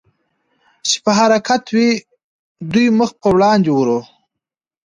چې په حرکت وې، دوی مخ په وړاندې ورو.